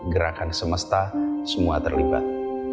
gerakan semesta semua terlibat